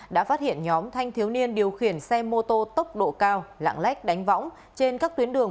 đã phát hiện nhóm thanh thiếu niên điều khiển xe mô tô tốc độ cao lạng lách đánh võng trên các tuyến đường